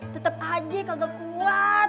tetep aja kagak kuat